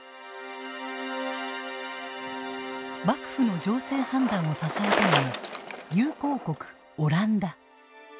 幕府の情勢判断を支えたのは友好国オランダ。